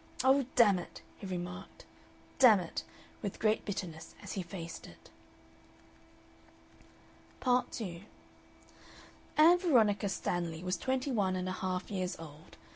"Oh, dammit!" he remarked, "dammit!" with great bitterness as he faced it. Part 2 Ann Veronica Stanley was twenty one and a half years old.